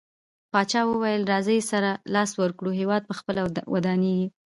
پاچاه وويل: راځٸ سره لاس ورکړو هيواد په خپله ودانيږي.